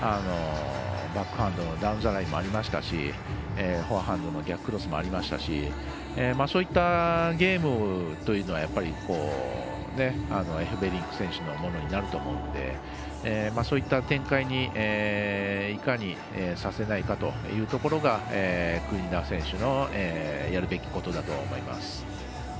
バックハンドのダウンザラインもありましたしフォアハンドの逆クロスもありましたしそういったゲームというのはエフベリンク選手のものになると思うんでそういった展開にいかにさせないかというところが国枝選手のやるべきことだと思います。